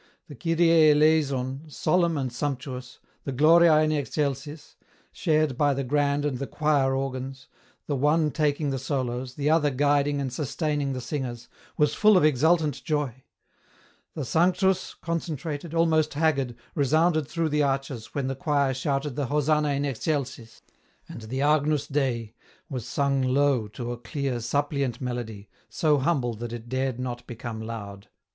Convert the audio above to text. The " Kyrie eleison," solemn and sumptuous, the " Gloria in excelsis," shared by the grand and the choir organs, the one taking the solos, the other guiding and sustaining the singers, was full of exultant joy ; the " Sanctus," concentrated, almost haggard, resounded through the arches when the choir shouted the "Hosanna in excelsis," and the "Agnus Dei " was sung low to a clear, suppliant melody, so humble that it dared not become loud.